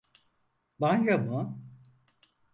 Banyo mu?